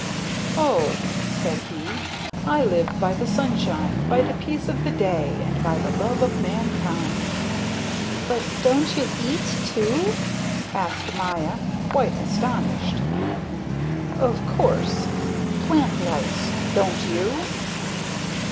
"Oh," said he, "I live by the sunshine, by the peace of the day, and by the love of mankind." "But don't you eat, too?" asked Maya, quite astonished. "Of course. Plant lice. Don't you?"